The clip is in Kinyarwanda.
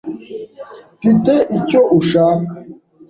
Mfite icyo ushaka.